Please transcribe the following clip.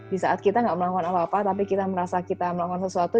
di saat kita tidak melakukan apa apa tapi kita merasa kita melakukan sesuatu